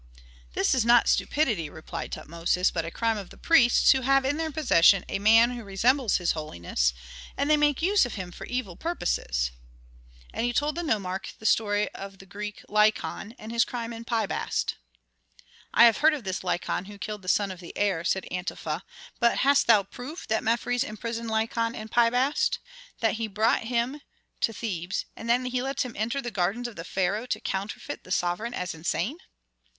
"This is not stupidity," replied Tutmosis, "but a crime of the priests, who have in their possession a man who resembles his holiness, and they make use of him for evil purposes." And he told the nomarch the story of the Greek Lykon, and his crime in Pi Bast. "I have heard of this Lykon who killed the son of the heir," said Antefa. "But hast thou proof that Mefres imprisoned Lykon in Pi Bast, that he brought him to Thebes, and that he lets him enter the gardens of the pharaoh to counterfeit the sovereign as insane?"